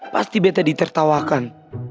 pasti beta ditertawakan